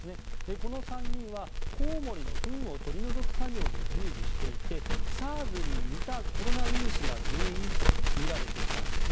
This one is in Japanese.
この３人はコウモリのフンを取り除く作業に従事していてＳＡＲＳに似たコロナウイルスが原因とみられていたんですね。